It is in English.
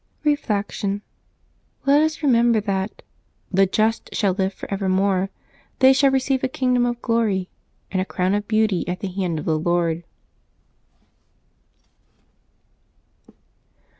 Reflection. — Let us remember that " the just shall live for evermore ; they shall receive a kingdom of glory, and a crown of beautv at the hand of the Lord.'